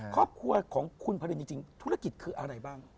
ครอบครัวของคุณพรินจริงธุรกิจคืออะไรบ้าง